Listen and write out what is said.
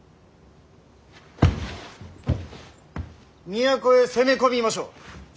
都へ攻め込みましょう。